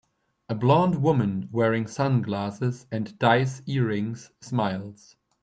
A blond woman wearing sunglasses and dice earrings smiles.